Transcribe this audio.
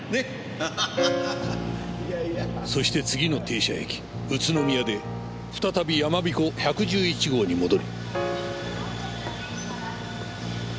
そして次の停車駅宇都宮で再びやまびこ１１１号に戻り。